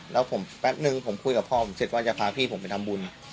แล้วผมแป๊บนึงผมคุยกับพ่อผมเสร็จว่าจะพาพี่ผมไปทำบุญ